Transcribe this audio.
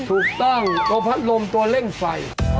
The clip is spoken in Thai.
ถูกต้องตัวพัดลมตัวเร่งไฟ